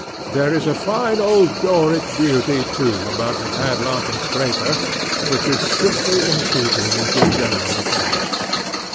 There is a fine old Doric beauty, too, about the padlock and scraper, which is strictly in keeping with the general effect.